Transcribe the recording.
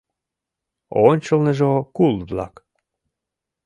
Ончылныжо кул-влак